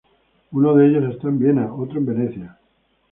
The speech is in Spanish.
Uno de ellos está en Viena, otro en Venecia.